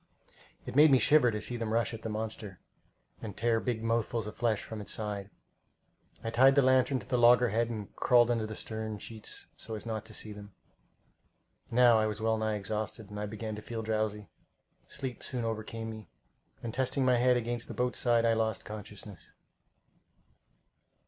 It made me shiver to see them rush at the monster, and tear big mouthfuls of flesh from its side. I tied the lantern to the loggerhead and crawled under the stern sheets so as not to see them. Now I was well nigh exhausted, and began to feel drowsy. Sleep soon overcame me, and testing my head against the boat's side, I lost consciousness.